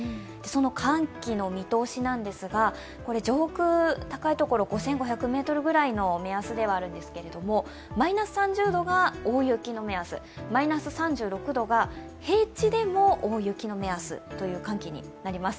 寒気の見通しですが、上空高い所５５００ｍぐらいの目安ではあるんですけれども、マイナス３０度が大雪の目安、マイナス３６度が平地でも大雪の目安になります。